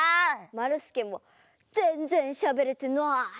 まるすけもぜんぜんしゃべれてない！